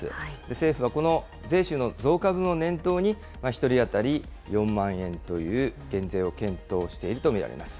政府はこの税収の増加分を念頭に、１人当たり４万円という減税を検討していると見られます。